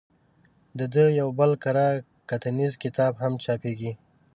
د ده یو بل کره کتنیز کتاب هم چاپېږي.